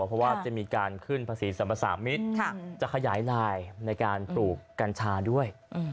เพราะว่าจะมีการขึ้นภาษีสรรพสามิตรจะขยายลายในการปลูกกัญชาด้วย